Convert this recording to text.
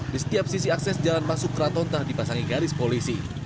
di setiap sisi akses jalan masuk keraton telah dipasangi garis polisi